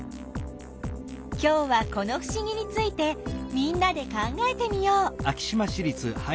きょうはこのふしぎについてみんなで考えてみよう。